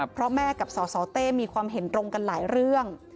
เพราะแม่กับสสเต้มีความเห็นตรงกันหลายเรื่อง